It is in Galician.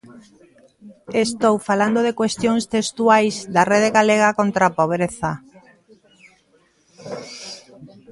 Estou falando de cuestións textuais da Rede Galega contra a Pobreza.